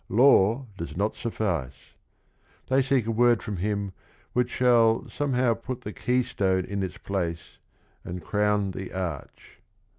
Law does not suffice. They seek a word from him which shall "somehow put the keystone in its place and crown the arch."